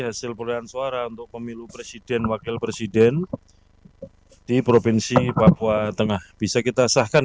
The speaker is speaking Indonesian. hasil perolehan suara untuk pemilu presiden wakil presiden di provinsi papua tengah bisa kita sahkan